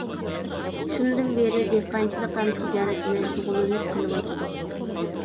شۇندىن بېرى دېھقانچىلىق ھەم تىجارەت بىلەن شۇغۇللىنىپ كېلىۋاتىدۇ.